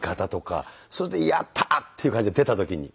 それでやったーっていう感じで出た時に。